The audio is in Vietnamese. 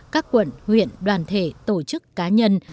các quận huyện đoàn thể tổ chức cá nhân